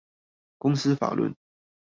公司法論